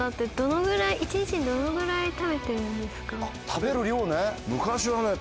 食べる量ね。